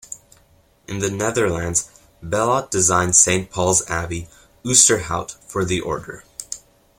In the Netherlands Bellot designed Saint Paul's Abbey, Oosterhout, for the Order.